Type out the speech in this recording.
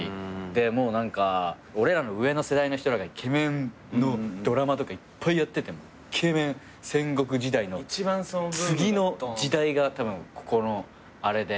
でもう何か俺らの上の世代の人らがイケメンのドラマとかいっぱいやっててイケメン戦国時代の次の時代がたぶんここのあれで。